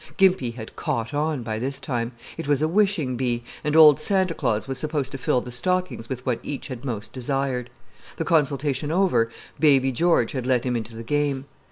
Gimpy had "caught on" by this time: it was a wishing bee, and old Santa Claus was supposed to fill the stockings with what each had most desired. The consultation over, baby George had let him into the game.